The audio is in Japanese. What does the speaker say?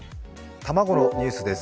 卵のニュースです。